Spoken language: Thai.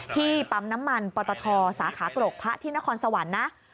ที่ปั๊มน้ำมันปตทสาขากรกพระที่นครสวรรค์นะ